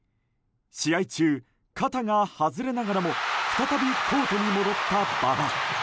試合中、肩が外れながらも再びコートに戻った馬場。